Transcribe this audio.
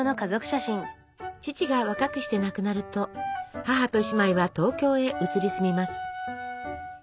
父が若くして亡くなると母と姉妹は東京へ移り住みます。